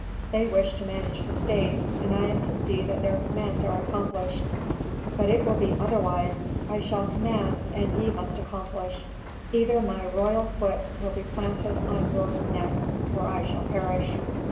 They wish to manage the state, and I am to see that their commands are accomplished. "But it will be otherwise: I shall command and ye must accomplish. Either my royal foot will be planted on your necks or I shall perish."